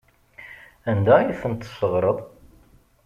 Anda ay ten-tesseɣreḍ?